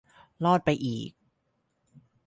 รอดไปอีก